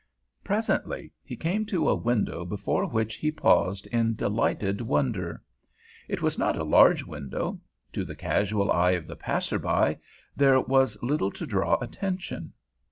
Presently he came to a window before which he paused in delighted wonder. It was not a large window; to the casual eye of the passer by there was little to draw attention.